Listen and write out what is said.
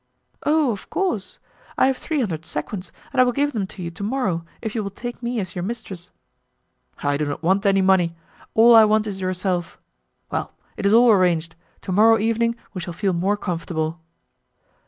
"Oh! of course. I have three hundred sequins, and I will give them to you to morrow if you will take me as your mistress." "I do not want any money; all I want is yourself. Well, it is all arranged; to morrow evening we shall feel more comfortable."